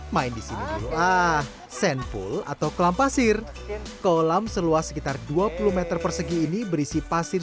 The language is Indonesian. main disini ah sendful atau kolam pasir kolam seluas sekitar dua puluh m persegi ini berisi pasir